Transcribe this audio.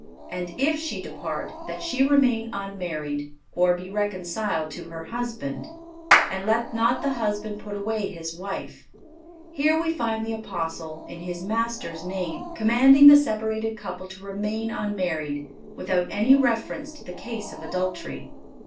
And if she depart that she remain unmarried, or be reconciled to her husband. And let not the husband put away his wife."(542) Here we find the Apostle, in his Master's name, commanding the separated couple to remain unmarried, without any reference to the case of adultery.